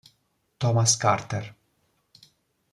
Thomas Carter